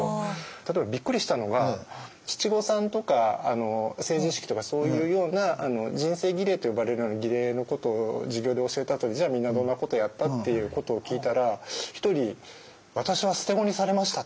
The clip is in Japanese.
例えばびっくりしたのが七五三とか成人式とかそういうような人生儀礼と呼ばれるような儀礼のことを授業で教えたあとにじゃあみんなどんなことやった？っていうことを聞いたら１人「私は捨て子にされました」って言う子がいて。